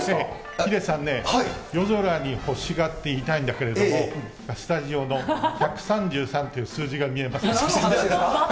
ヒデさんね、夜空に星がって言いたいんですけど、スタジオの１３３っていう数見えますか。